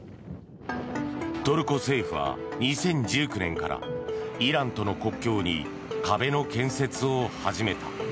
トルコ政府は２０１９年からイランとの国境に壁の建設を始めた。